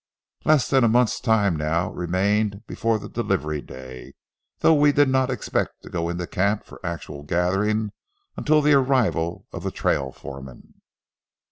Less than a month's time now remained before the delivery day, though we did not expect to go into camp for actual gathering until the arrival of the trail foreman.